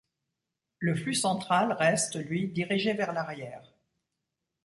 Le flux central reste, lui, dirigé vers l'arrière.